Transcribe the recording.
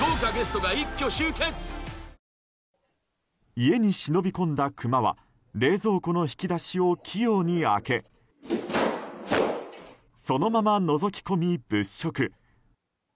家に忍び込んだクマは冷蔵庫の引き出しを器用に開けそのままのぞき込み、物色。